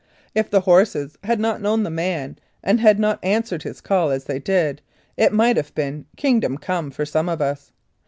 If the horses had not known the man and had not answered his call as they did, it might have been "Kingdom Come" for some of us.